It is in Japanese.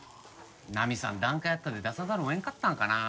ナミさん檀家やったで出さざるを得んかったんかな。